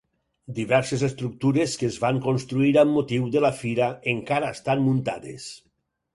Diverses estructures que es van construir amb motiu de la fira encara estan muntades.